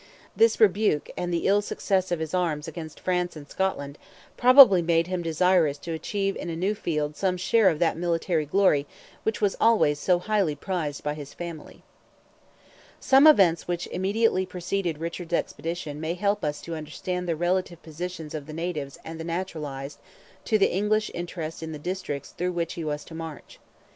This rebuke, and the ill success of his arms against France and Scotland, probably made him desirous to achieve in a new field some share of that military glory which was always so highly prized by his family: Some events which immediately preceded Richard's expedition may help us to understand the relative positions of the natives and the naturalized to the English interest in the districts through which he was to march.